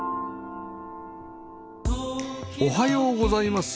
おはようございます。